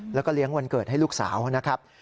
แล้วก็เลี้ยงวันเกิดให้ลูกสาวนะครับ